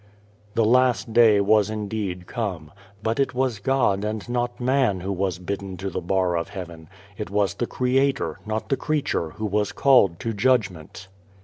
The Last Day was indeed come, but it was God and not man who was bidden to the bar of heaven ; it was the Creator not the creature who was called to judgment.